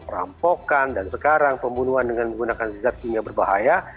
rampokan dan sekarang pembunuhan dengan menggunakan zat punya berbahaya